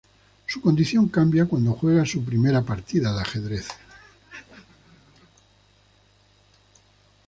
Su condición cambia cuando juega su primera partida de ajedrez.